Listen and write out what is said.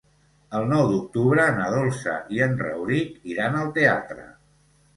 El nou d'octubre na Dolça i en Rauric iran al teatre.